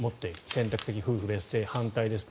選択的夫婦別姓、反対です